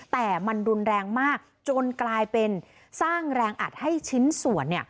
แต่มันรุนแรงมากจนกลายเป็นสร้างแรงอัดให้ชิ้นส่วนเนี่ย